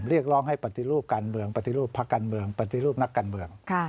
เรียกร้องให้ปฏิรูปการเมืองปฏิรูปภาคการเมืองปฏิรูปนักการเมือง